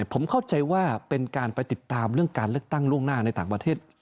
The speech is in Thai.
ผมเข้าใจว่าเป็นการไปติดตามเรื่องการเลือกตั้งล่วงหน้าในต่างประเทศ